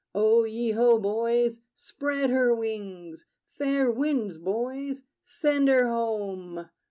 O ye ho, boys! Spread her wings! Fair winds, boys: send her home!